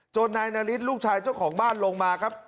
นายนาริสลูกชายเจ้าของบ้านลงมาครับ